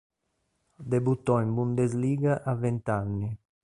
Debuttò in Bundesliga a vent'anni.